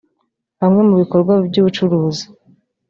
Bamwe bagiye mu bikorwa by’ubucuruzi